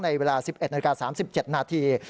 เวลา๑๑นาฬิกา๓๗นาที